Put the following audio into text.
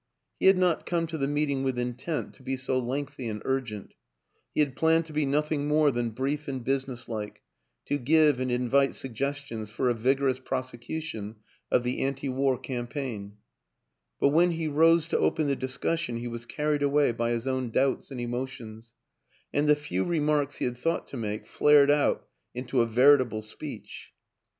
He had not come to the meet ing with intent to be so lengthy and urgent; he had planned to be nothing more than brief and businesslike, to give and invite suggestions for a vigorous prosecution of the anti war campaign; but when he rose to open the discussion he was carried away by his own doubts and emotions ; and the " few remarks " he had thought to make flared out into a veritable speech.